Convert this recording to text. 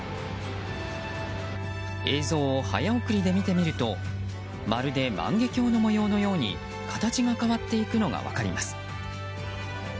映像を早送りで見てみるとまるで万華鏡の模様のように形が変わっていくのが分かります。